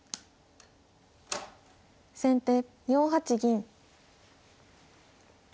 先手４八銀。